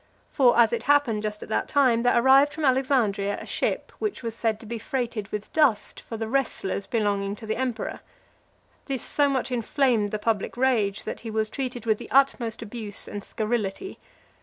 For, as it happened just at that time, there arrived from Alexandria a ship, which was said to be freighted (374) with dust for the wrestlers belonging to the emperor . This so much inflamed the public rage, that he was treated with the utmost abuse and scurrility.